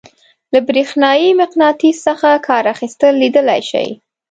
له برېښنايي مقناطیس څخه کار اخیستل لیدلی شئ.